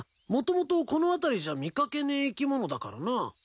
もともとこの辺りじゃ見掛けねえ生き物だからな。